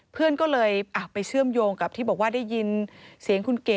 เพื่อนก็เลยไปเชื่อมโยงกับที่บอกว่าได้ยินเสียงคุณเก๋